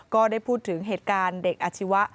ก็ได้พูดถึงเหตุการณ์เด็กอาชีวะ